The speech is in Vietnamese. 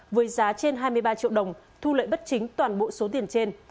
với giá trên hai mươi ba triệu đồng thu lợi bất chính toàn bộ số tiền trên